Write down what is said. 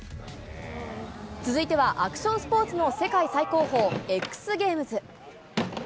続いてはアクションスポーツの世界最高峰、ＸＧａｍｅｓ。